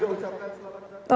ya makasih pak